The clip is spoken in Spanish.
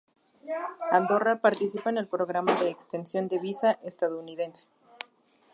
Andorra participa en el Programa de exención de visa estadounidense.